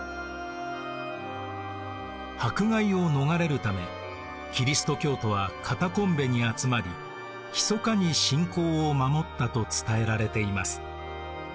迫害を逃れるためキリスト教徒はカタコンベに集まりひそかに信仰を守ったと伝えられています。